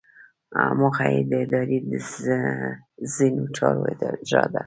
موخه یې د ادارې د ځینو چارو اجرا ده.